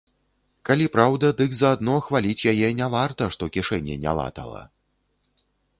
Калі праўда, дык за адно хваліць яе не варта, што кішэні не латала.